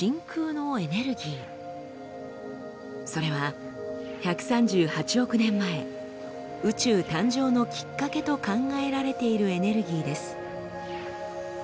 それは１３８億年前宇宙誕生のきっかけと考えられているエネルギーです。